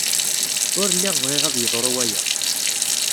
Ur lliɣ bɣiɣ ad yeḍru waya.